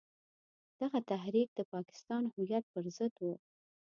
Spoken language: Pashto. دغه تحریک د پاکستان هویت پر ضد وو.